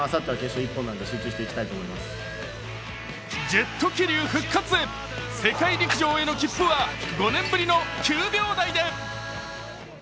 ジェット桐生復活へ世界陸上への切符は５年ぶりの９秒台で！